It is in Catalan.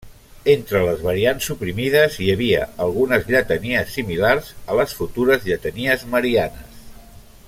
Entre les variants suprimides, hi havia algunes lletanies similars a les futures lletanies marianes.